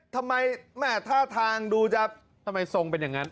ทำไมแม่ท่าทางดูจะทำไมทรงเป็นอย่างนั้น